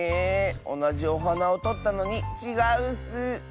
おなじおはなをとったのにちがうッス！